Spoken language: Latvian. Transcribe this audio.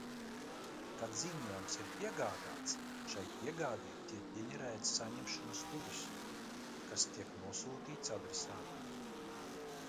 Kad ziņojums ir piegādāts, šai piegādei tiek ģenerēts saņemšanas turis, kas tiek nosūtīts adresātam.